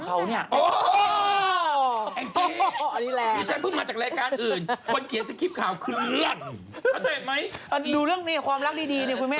เข้าใจไหมดูเรื่องนี้ความรักดีเนี่ยคุณแม่น